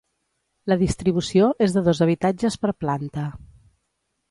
La distribució és de dos habitatges per planta.